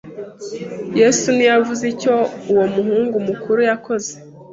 Yesu ntiyavuze icyo uwo muhungu mukuru yakoze